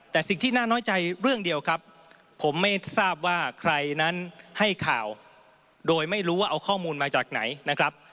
แต่สิ่งที่น่าน้อยใจเรื่องเดียวครับผมไม่ทราบว่าใครนั้นให้ข่าวโดยไม่รู้ว่าเอาข้อมูลมาจากไหนนะครับ